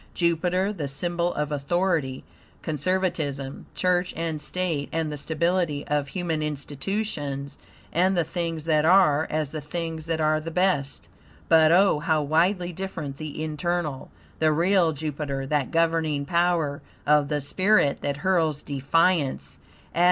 Jupiter, the symbol of authority, conservatism, church, and state, and the stability of human institutions, and the things that are, as the things that are the best. But oh, how widely different the internal, the real Jupiter, that governing power of the spirit that hurls defiance at unjust authority, the cruelty and tyranny of the world.